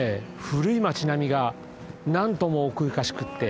古い町並みが何とも奥ゆかしくって。